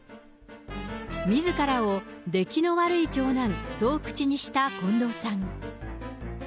みずからをできの悪い長男、そう口にした近藤さん。